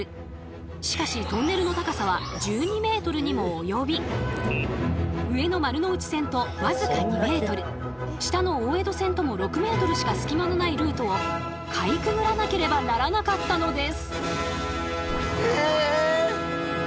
しかしトンネルの高さは１２ｍにも及び上の丸ノ内線と僅か２ｍ下の大江戸線とも６ｍしか隙間のないルートをかいくぐらなければならなかったのです。